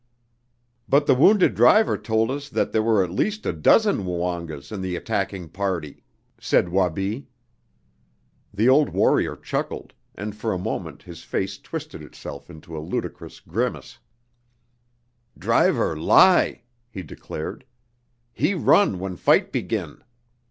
"But the wounded driver told us that there were at least a dozen Woongas in the attacking party," said Wabi. The old warrior chuckled, and for a moment his face twisted itself into a ludicrous grimace. "Driver lie!" he declared. "He run when fight begin.